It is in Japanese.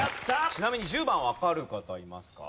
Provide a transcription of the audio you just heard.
ちなみに１０番わかる方いますか？